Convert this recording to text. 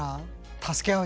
助け合う。